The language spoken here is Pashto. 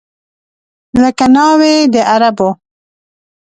لکه ناوې د عربو